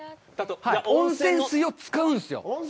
温泉水を使うんですよ。